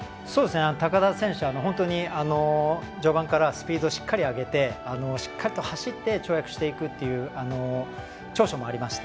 高田選手、本当に序盤からスピードをしっかり上げてしっかりと走って跳躍していくという長所もありまして。